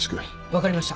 分かりました。